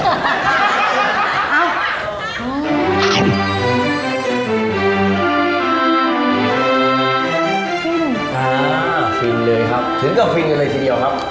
อ่าคินเลยครับถึงกับคินอะไรทีเดียวครับ